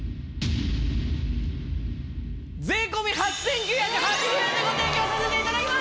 税込８９８０円でご提供させて頂きます！